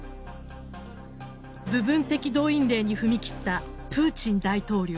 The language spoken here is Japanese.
部分的動員令に踏み切ったプーチン大統領。